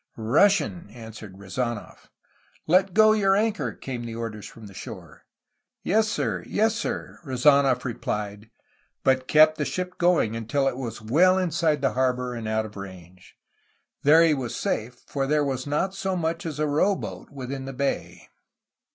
"Russian," answered Rezanof. "Let go your anchor," came the orders from the shore. "Yes, sir! Yes, sir!" Rezdnof replied, — but kept the ship 412 A HISTORY OF CALIFORNIA going until it was well inside the harbor and out of range. There he was safe, for there was not so much as a row boat within the bay.